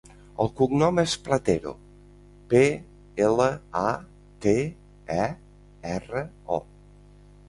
El cognom és Platero: pe, ela, a, te, e, erra, o.